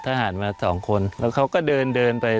ทหารมาสองคนแล้วเค้าก็เดินไป